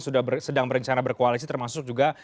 sudah sedang berencana berkoalisi termasuk juga